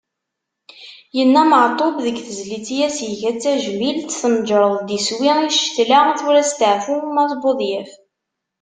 Yenna Meɛtub deg tezlit i as-iga d tajmilt: Tneǧreḍ-d iswi i ccetla, tura steɛfu Mass Budyaf.